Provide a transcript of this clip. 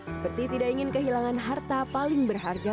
seperti tidak ingin kehilangan harta paling berharga